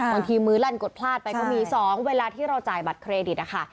มือลั่นกดพลาดไปก็มี๒เวลาที่เราจ่ายบัตรเครดิตนะคะ